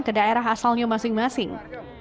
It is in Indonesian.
ke daerah asalnya masing masing